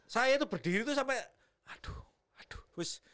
saya itu berdiri sampai